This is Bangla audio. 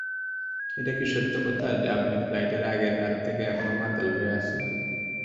এটা কি সত্য কথা যে আপনি ফ্লাইটের আগের রাত থেকে এখনো মাতাল হয়ে আছেন?